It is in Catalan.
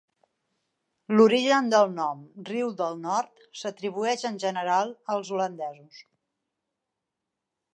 L'origen del nom "Riu del Nord" s'atribueix en general als holandesos.